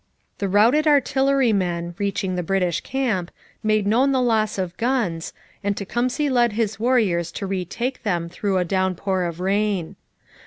The routed artillerymen, reaching the British camp, made known the loss of guns, and Tecumseh led his warriors to retake them through a downpour of rain.